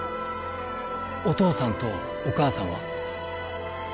お父さんとお母さんは？